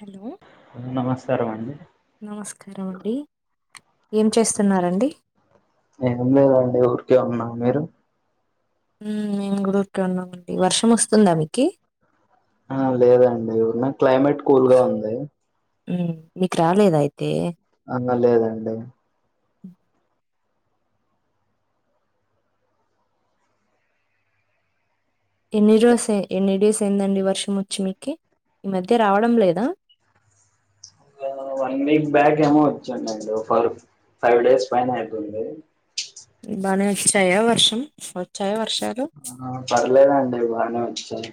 Hello నమస్కారం అండి నమస్కారం అండి ఏం చేస్తున్నారండి ఏం లేదండి ఉరికే ఉన్నా మీరు మేము గుడ ఉర్కే ఉన్నామండి వర్షం వస్తుందా మీకి ఆ లేదండి ఉన్నా క్లైమేట్ కూల్గా ఉంది మ్ మీకు రాలేద అయితే లేదండి ఎన్ని రోసే ఎన్ని డేస్ అయిందండి వర్షం వచ్చి మీకి ఈ మధ్య రావడం లేద వన్ వీక్ బ్యాక్ ఏమో వచ్చానండి లోపలు ఫైవ్ డేస్ పైనే అయితుంది బానే ఒచ్చయ వర్షం ఒచ్చయ వర్షం ఆ పర్లేదండి బానే వచ్చయి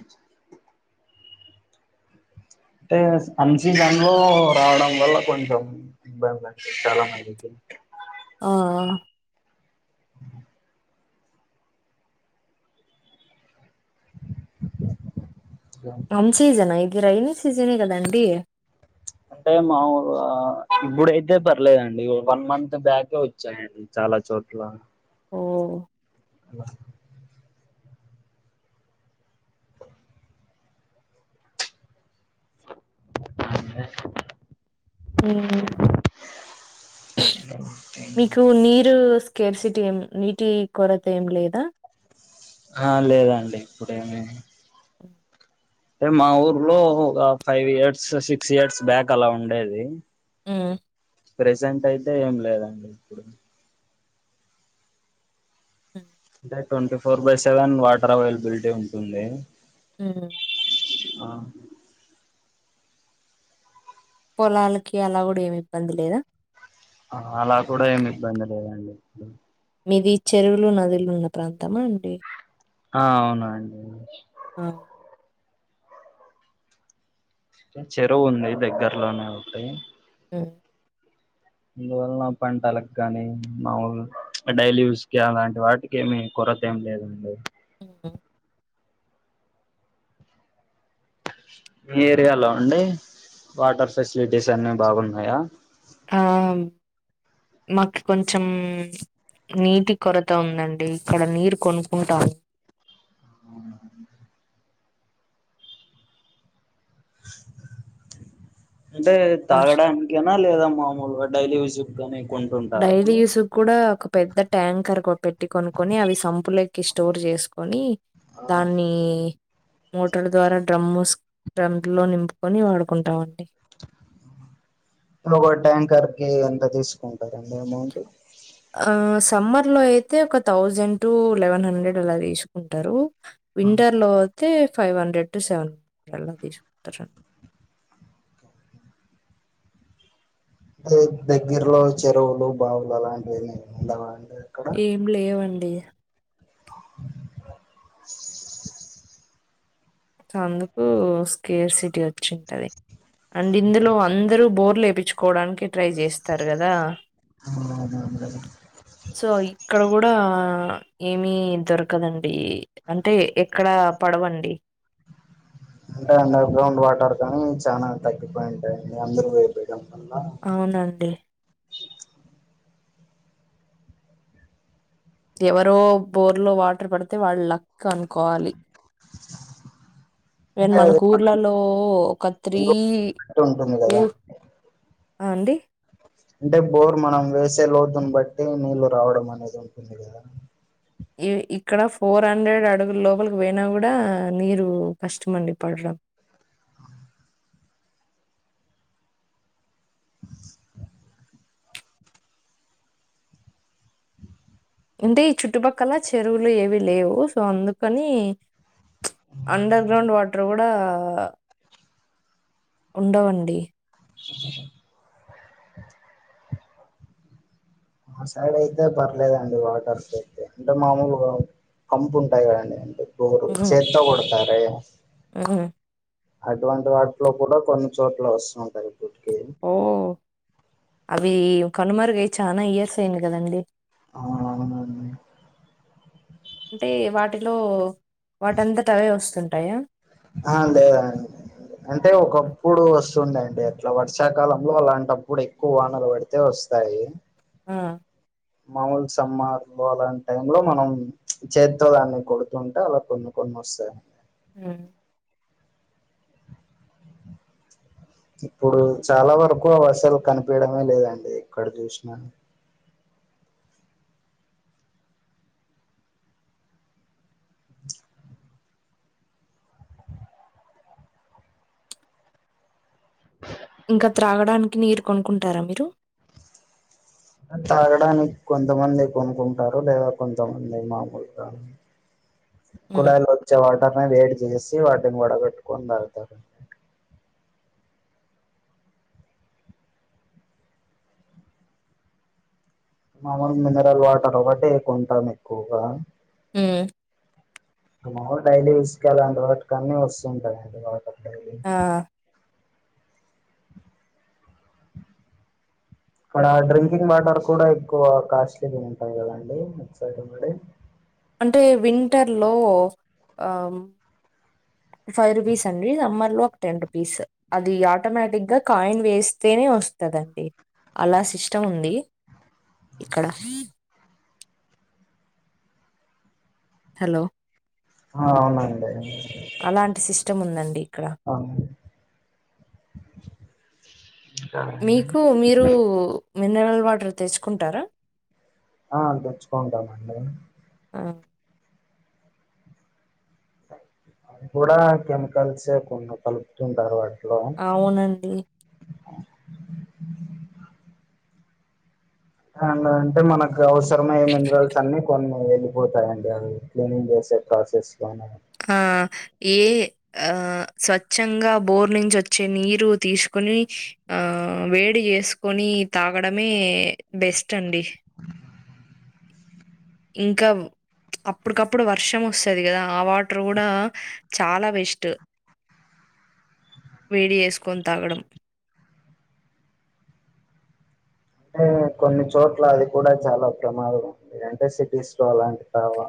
అంటే అన్ సీజన్ లో రావడం వల్ల కొంచెం ఇబ్బంది అండి చాలా మందికి ఆ ఆ అమ్ సీజన్ ఆ ఇది రైనీ సీజనే కదండి అంటే మాములుగా ఇప్పుడయితే పర్లేదండి వన్ మంత్ బ్యాకే వచ్చాయండి చాలా చాలా చోట్లా ఓ ఆంజనేయస్వామి మ్మ్ ఎనెమ్ మీకు నీరు స్కేర్సిటీ ఏం నీటి కొరత ఏం లేదా ఆ లేదండి ఇప్పుడేమి మ్మ్ అంటే మా ఊర్లో ఒక five years six years back అలా ఉండేది మ్మ్ ప్రెజెంట్ అయితే ఏం లేదండి ఇప్పుడు అంటే twenty four by seven water availability ఉంటుంది మ్మ్ ఆ పొలాలకి అలా కూడా ఏమి ఇబ్బంది లేదా మ్మ్ అలా కూడా ఏమి ఇబ్బంది లేదండి మీది చెరువులు నదులు ఉన్న ప్రాంతమా అండి ఆ అవునండి ఆ చెరువు ఉంది దగ్గర్లోనే ఒకటి మ్మ్ ఇందువల్ల పంటలకు కానీ మాములు డైలీ యూస్ కి అలాంటి వాటికి ఏమి కొర్ కొర్తేమ్ లేదండి మ్మ్ మీ ఏరియాలో అండీ వాటర్ ఫెసిలిటీస్ అన్ని బాగున్నాయా ఆ మాకి కొంచెం నీటి కొరత ఉందండి ఇక్కడ నీరు కొనుక్కుంటాము మ్మ్ అంటే వర్ష్ తాగడానికేనా లేదా మామూల్గ డైలీ యూజ్ గాని కొంటుంటారా డైలీ అండి యూసు కూడా కొ పెద్ద ట్యాంకర్ కొ పెట్టి కొనుకొని అవి సంపులేకి స్టోర్ చేసుకొనీ దాన్నీ మోటరు ద్వారా డ్రమ్మూస్ ట్రంపులో నింపుకొని వాడుకుంటామండి [inaudible] ఓగో ట్యాంకర్ కీ ఎంత తీసుకుంటారండి అమౌంటు ఆ సమ్మర్ లో అయితే ఒక థౌజండ్ టూ లెవెన్ హండ్రెడ్ అలా తీసుకుంటరూ వింటర్ అంటే లో ఐతే ఫైవ్ హండ్రెడ్ టు సెవన్ అలా తీసుకుంటారు అండి మీ దగ్గరలో చెరువులు బావులు అలాంటివి ఉండవండి ఏం లేవండీ [inaudible] అందుకూ స్కేర్ సిటీ వచ్చింటది అండ్ ఇందులో అందరూ బోర్లు ఏపిచ్చుకోవడానికి ట్రై చేస్తారు కదా ఆ మామూలె సో ఇక్కడ కూడా ఏమి దొరకదండీ అంటే ఎక్కడా పడవండి అంటే అండర్ గ్రౌండ్ వాటర్ కానీ చానా తగ్గిపోయి ఉంటాయండి అందరూ వేపియడం అవునండి ఎవరో బోర్లో వాటర్ పడితే వాళ్ళు లక్ అనుకోవాలి అండ్ అంటే అది మనకు ఊర్లలో ఒక త్రీ బట్టి ఉంటుంది కదా ఊర్ ఆ అండి అంటే బోర్ మనం వేసే లోతుని బట్టీ నీల్లు రావడం అనేది ఉంటుంది కదా ఈ ఇక్కడ ఫోర్ హండ్రెడ్ అడుగుల్ లోపలికి పోయినా కూడా నీరూ కష్టమండి పడడం [inaudible] అంటే ఈ చుట్టుపక్కల చెరువులు ఏవి లేవూ సొ అందుకనీ అండర్ గ్రౌండ్ వాటర్ కూడా ఉండవండి [inaudible] మా సైడ్ అయితే పర్లేదండి వాటర్ కి అయితే అంటే మామూలుగా పంపు ఉంటాయి కదండీ అంటే బోరు చేత్తో కొడుతారే ఉ అటువంటి వాటిలో కూడా కొన్ని చోట్ల వస్తుంటాయి ఇప్పటికి ఓహ్! అవి కనుమరుగయి చాలా ఇయర్స్ అయింది కదండి అవును అవును అండి అంటే వాటిలో వాటింతా అవే వస్తుంటాయా ఆ లేదండి అంటే ఒకప్పుడు వస్తుండేవి అంటే అట్లా వర్షాకాలంలో అలాంటప్పుడు ఎక్కువ వానలు పడితే వస్తాయి ఆ మాముూలు సమ్మర్ లో అలాంటి టై లో మనం చేత్తో దాన్ని కొడుతుంటే అలా కొన్ని కొ నమస్తే ఉ ఇప్పుడు చాలా వరకు వర్షాలు కనిపీయడమే లేదండి ఎక్కడ చూసినా ఇంకా త్రాగడానికి నీరు కొనుకుంటారా మీరు తాగడానికి కొంతమంది కొనుకుంటారు లేదా కొంతమంది మామూలుగా హ్మ్. కుడాయిలు వచ్చే వాటర్ని వేడి చేసి వాటిని వడ కట్టుకొని తాగుతారు మాములు మినరల్ వాటర్ ఒకటి కొంటాం ఎక్కువగా ఉ మాములు డైలీ ఇసుక లాంటి వాటికి అన్ని వస్తుంటాయి అండి వాటర్ డైలీ ఆ! అక్కడ డ్రింకింగ్ వాటర్ కూడా ఎక్కువ కాస్ట్లీగా ఉంటాయి కదండీ అటుసైడ్ అంటే వింటర్ లో ఆ ఫైవ్ రూపీస్ అండి సమ్మర్ లో టెన్ రూపీస్ అది ఆటోమేటిక్ గా కాయిన్ వేస్తేనే వస్తుంది కాదండి అలా సిస్టం ఉంది ఇక్కడ హలో ఆ అవునండి అలాంటి సిస్టమ్ ఉందండి ఇక్కడ అవును మీకు మీరు మినరల్ వాటర్ తెచ్చుకుంటారా ఆ తెచ్చుకుంటామండి మ్ కూడా కెమికల్స్ కొన్ని కలుపుతుంటారు వా అవునండి అండ్ అంటే మనకు అవసరమయ్యే మినరల్స్ అన్ని కొన్ని వెళ్ళిపోతాయండి అవి క్లీనింగ్ చేస్ చే ప్రాసెస్ కానీ ఆ ఏ ఆ స్వచ్ఛంగా బోర్ నుంచి వచ్చే నీరు తీస్ కొని ఆ వేడి చేసుకొని తాగడమే బెస్ స్టాడి ఇంకా అప్పడికప్పుడు వర్షం వస్తది కదా ఆ వాటర్ కూడా చాలా బెస్ట్ వేడి చేసుకొని తాగడం అ అంటే కొన్ని చోట్ల అది కూడా చాలా ప్రమాదం ఉంది అంటే సిటీస్ లో అలాంటి కాడ వా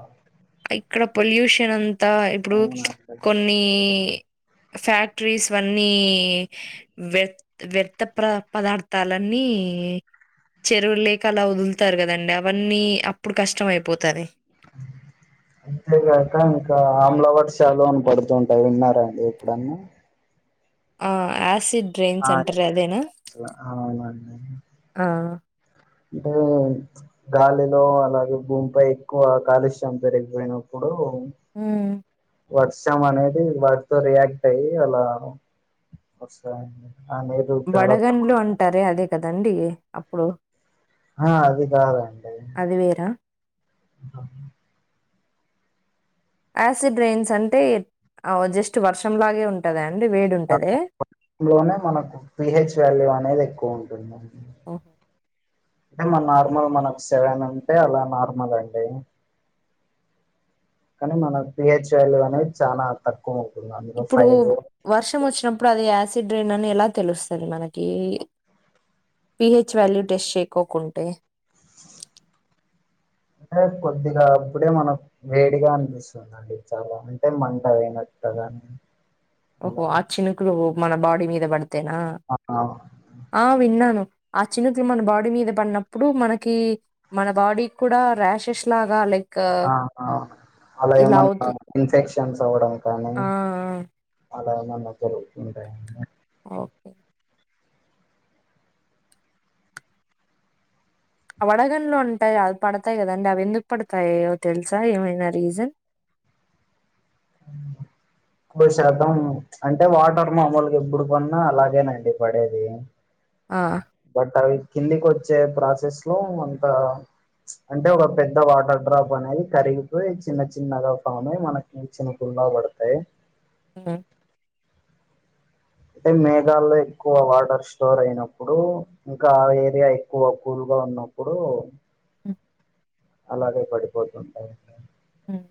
ఇక్కడ పొల్యూషన్ అంతా ఇప్పుడు అవునా అండి కొన్ని ఫ్యాక్టరీస్ అన్నీ వ్య వ్యర్థం ప్ర పదార్థాలన్నీ చెరువు లేకి అలా వదులుతారు కదండి అవన్నీ అప్పుడు కష్టం అయిపోతది [inaudible] అంతేగాక ఇంకా అమ్లవర్షలు అని పడుతుంటాయి విన్నారాండి ఎప్పుడన్నా ఆ ఆసిడ్ డ్రైన్స్ ఆ అంటర్ అదేనా అసలు ఆ టే గాలిలో అలాగే భూమిపై ఎక్కువ కాలుష్యం పెరిగిపోయినప్పు మ్ వర్సం అనేది వాటితో రియాక్ట్ అయ్యి అలా వస్ వడగంన్లు అంటారే అదే కదండి అప్పుడు ఆ అవి కాదండి అది వేరా ఆ యాసిడ్ రైన్స్ అంటే అవ్ జస్ట్ వర్షంలాగే ఉంటదండి లోనే మనకు పిహెచ్ వాల్యూ అనేది ఎక్కువ ఉంటుంది ఓ అంటే మ నార్మల్ మనకు సెవెన్ ఉంటే అలా నార్మల్ అండి కానీ మనక్ పిహెచ్ వాల్యూ అనేది చాలా తక్కువ ఉంటుంది అందులో ఇప్పుడు ఫైవ్ వర్షం వచ్చినప్పుడు అది యాస్ సిడ్రేన్ అని ఎలా తెలుస్తది మనకి పీహెచ్ వాల్యూ టెస్ట్ చేకోకుంటే అంటే కొద్దిగా అప్పుడే మనక్ వేడిగా అనిపిస్తుందం డి చాలా అంటే మంట అనట్ కద ఓహో ఆ చినుకులు మన బాడీ మీద పడుతేనా ఆ ఆ విన్నాను ఆ చినుకులు మన బాడీ మీద పడినప్పుడు మనకి మన బాడీ కూడా ర్యాషెస్ లాగా లైక్ ఆహా అలా ఇలా ఏమన్నా అవుతు ఇన్ఫెక్షన్స్ అవ్వడం కానీ ఆ అలా ఎమన్న జరుగుతుంటాయి ఓకే వడగళ్ళు ఉంటాయి అవి పడతాయి కదండి అవి ఎందుకు పడుతాయో తెలుసా ఏమైనా రీజన్ [inaudible] బై శాతం అంటే వాటర్ మామూలుగా ఎప్పుడు పన్నా అలాగేనండి పడేది ఆ బట్ అవి కిందికోచ్చే ప్రాసెస్ లో అంత అంటే ఒక పెద్ద వాటర్ డ్రాప్ అనేది కరిగిపోయి చిన్న చిన్నగా ఫామ్ అయి మనకి చిన్ ల బడుతాయి మ్ అయితే మేఘాళ్ళో ఎక్కువ వాటర్ స్టోర్ అయినప్పుడు ఇంకా ఆ ఏరియా ఎక్కువ కూల్ గ ఉన్నప్పుడు ఉమ్, అలాగే పడిపోతుంటాయండి ఉమ్.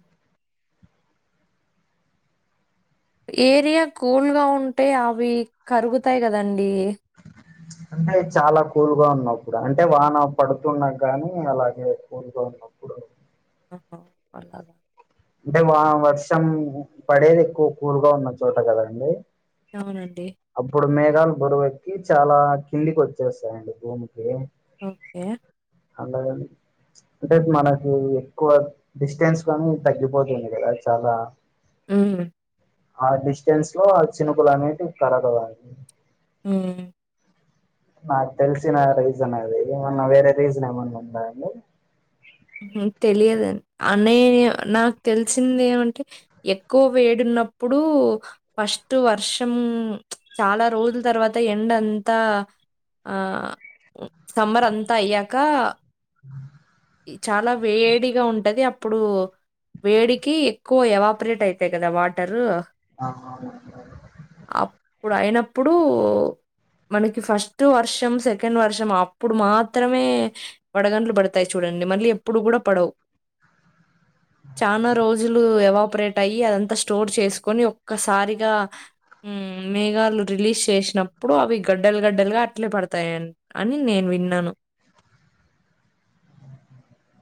ఏరియా కూల్గా ఉంటే అవి కరుగుతాయి కదండి అంటే చాలా కూల్గా ఉన్నప్పుడు అంటే వాన పడుతున్న గాని అలాగే కూల్గా ఉన్నప్పుడు అహ అలాగా అంటే వా వర్షం పడేది ఎక్కువ కూల్గా ఉన్న చోట కదండి అవునండి శలు బురువేక్కి చాలా కిందికోచ్చేస్తాయండి భూమికి ఓకే అలాగని అంటే మనకి ఎక్కువ డిస్టెన్స్ కానీ తగ్గిపోతుంది కదా చాలా మ్ ఆ డిస్టెన్స్ లో ఆ చినుకులు అనేటివి కరగదండి మ్ నాకు తెలిసిన రీజన్ అది ఏమన్నా వేరే రీజన్ ఏమన్నా ఉందా అండి తెలియదండి అనే నాకు తెలిసింది ఏమంటే ఎక్కువ వేడు న్నప్పుడు ఫస్ట్ వర్షం చాలా రోజుల తర్వాత ఎండ అంతా ఆ సమ్మర్ అంతా అయ్యాక చాలా వేడిగా ఉంటాది అప్ ప్పుడు వేడికి ఎక్కువ ఎవాపరేట్ అయితాయి కదా వాటరు ఆహా ప్పుడు మనకి ఫస్ట్ వర్షం సెకండ్ వర్షం అప్పుడు మాత్రమే వడగంలు పడ్ తాయి చూడండి మళ్ళీ ఎప్పుడు కూడా పడవు చాలా రోజులు ఎవాపరేట్ అయ్యి అదంతా స్టోర్ చేసుకొని ఒక్కసారిగా మేఘాలు రిలీజ్ చేసినప్పుడు అవి గడ్డలు గడ్డలుగా అట్లే పడుతాయని అని నేను విన్నాను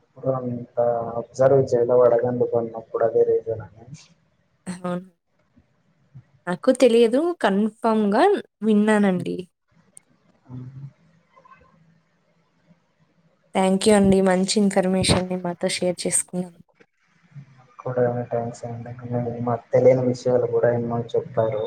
ఇప్పుడు అంత అబ్జర్వ్ చేయలే వడగండ్లు పడినప్పుడు అదే రీజన్ అని అవును నాకు తెలియదు కన్ఫర్మ్ గా విన్నానండి ఆ థ్యాంక్ యూ అండి మంచి ఇన్ఫర్మేషన్ని మాతో షేర్ చేసుకున్నా [unintelligible] తెలియని విషయాలు కూడా ఎన్నో చెప్తారు